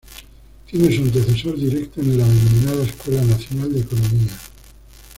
Tiene su antecesor directo en la denominada Escuela Nacional de Economía.